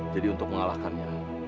jadi untuk mengalahkannya